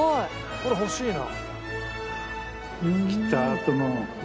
これ欲しいな。